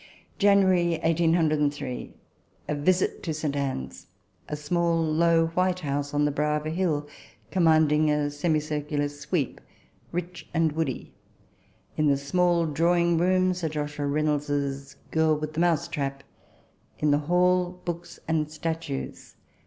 " January 1803. A visit to St. Anne's a small low white house on the brow of a hill, commanding a semicircular sweep, rich and woody. In the small drawing room, Sir Joshua Reynolds' Girl with the Mouse trap. In the hall books and statues.